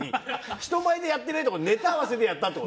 人前でやってないって事はネタ合わせでやったって事？